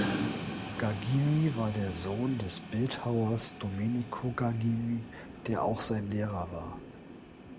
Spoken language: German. Gagini war der Sohn des Bildhauers Domenico Gagini, der auch sein Lehrer war.